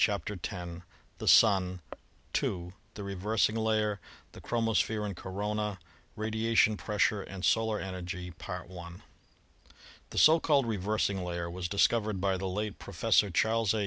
CHAPTER X THE SUN — II : THE REVERSING LAYER; THE CHROMOSPHERE AND CORONA ; RADIATION PRESSURE AND SOLAR ENERGY The so called "reversing layer" was discovered by the late Professor Charles A.